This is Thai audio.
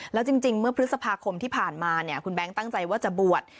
แล้วจริงเมื่อพฤษภาคมที่ผ่านมาเนี่ยคุณแบงค์ตั้งใจว่าจะบวช